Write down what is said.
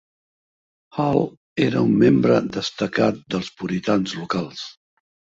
Hall era un membre destacat dels puritans locals.